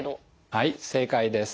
はい正解です。